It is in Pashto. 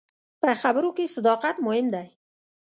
په خبرو کې صداقت مهم دی.